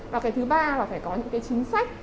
và thứ ba là phải có những chính sách